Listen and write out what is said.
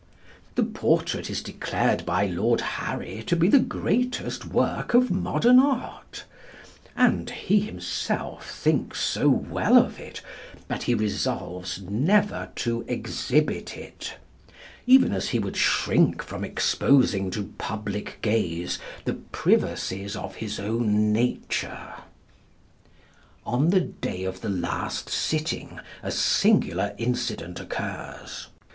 The portrait is declared by Lord Harry to be the greatest work of modern art; and he himself thinks so well of it that he resolves never to exhibit it, even as he would shrink from exposing to public gaze the privacies of his own nature. On the day of the last sitting a singular incident occurs.